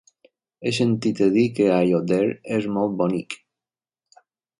He sentit a dir que Aiòder és molt bonic.